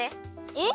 え？